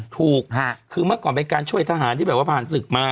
ถูกคือเมื่อก่อนเป็นการช่วยทหารที่แบบว่าผ่านศึกมา